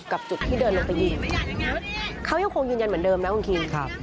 จุดที่เดินลงไปยิงเขายังคงยืนยันเหมือนเดิมนะคุณคิงครับ